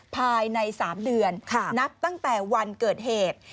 ภายใน๓เดือนนับตั้งแต่วันเกิดเหตุ